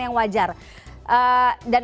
yang wajar dan